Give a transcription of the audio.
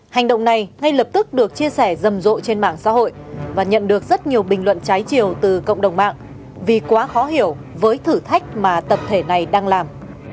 hành động này ngay lập tức được chia sẻ rầm rộ trên mạng xã hội và nhận được rất nhiều bình luận trái chiều từ cộng đồng mạng vì quá khó hiểu với thử thách mà tập thể này đang làm